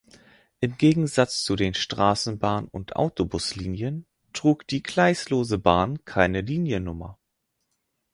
Im Gegensatz zu den Straßenbahn- und Autobus-Linien trug die Gleislose Bahn keine Liniennummer.